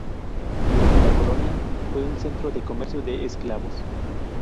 Durante la Colonia, fue un centro de comercio de esclavos.